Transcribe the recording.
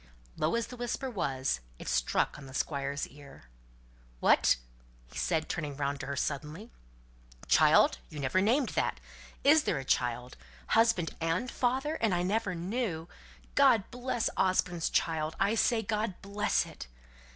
Low as the whisper was, it struck on the Squire's ear. "What?" said he, turning round to her suddenly, " child? You never named that? Is there a child? Husband and father, and I never knew! God bless Osborne's child! I say, God bless it!"